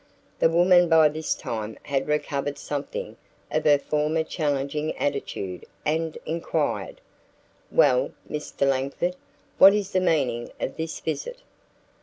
The woman by this time had recovered something of her former challenging attitude and inquired: "Well, Mr. Langford, what is the meaning of this visit?"